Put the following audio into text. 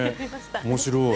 面白い。